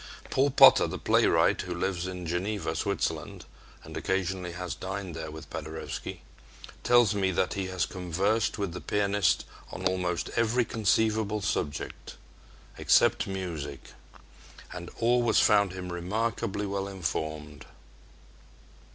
Paul Potter, the playwright, who lives in Geneva, Switzerland, and occasionally has dined there with Paderewski, tells me that he has conversed with the pianist on almost every conceivable subject except music and always found him remarkably well informed.